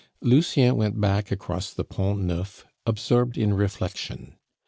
Lucien went back across the Pont Neuf absorbed in reflection.